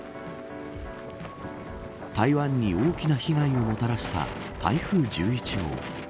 台湾に大きな被害をもたらした台風１１号。